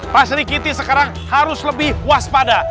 pak sri kiti sekarang harus lebih waspada